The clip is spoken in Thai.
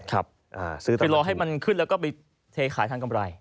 ไปรอให้มันขึ้นแล้วก็ไปเทขายทางกำไร